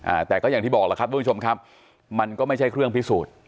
อ่าแต่ก็อย่างที่บอกแล้วครับทุกผู้ชมครับมันก็ไม่ใช่เครื่องพิสูจน์